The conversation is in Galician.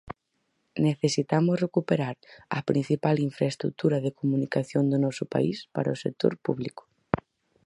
Necesitamos recuperar a principal infraestrutura de comunicación do noso país para o sector público.